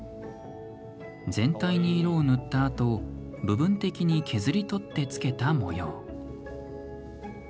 全体に色を塗ったあと部分的に削り取ってつけた模様。